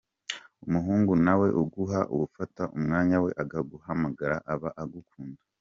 Umuhungu nawe uguha ufata umwanya we akaguhamagara aba agukunda.